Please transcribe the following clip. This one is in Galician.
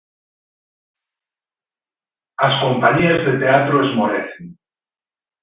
As compañías de teatro esmorecen.